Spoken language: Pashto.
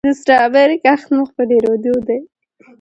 د سټرابیري کښت مخ په ډیریدو دی.